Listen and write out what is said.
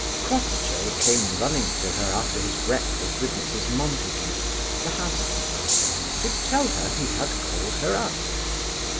Crossjay came running to her after his breakfast with Mrs Montague, the housekeeper, to tell her he had called her up.